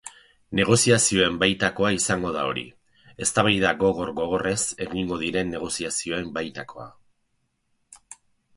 Negoziazioen baitakoa izango da hori, eztabaida gogor-gogorrez egingo diren negoziazioen baitakoa.